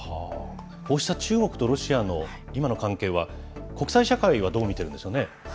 こうした中国とロシアの今の関係は、国際社会はどう見てるんでしょうね。